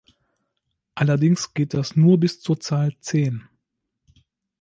Allerdings geht das nur bis zur Zahl zehn.